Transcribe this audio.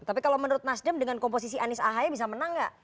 tapi kalau menurut nasdem dengan komposisi anies ahy bisa menang gak